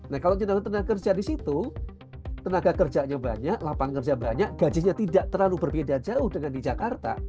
nah kalau tenaga kerja di situ tenaga kerjanya banyak lapangan kerja banyak gajinya tidak terlalu berbeda jauh dengan di jakarta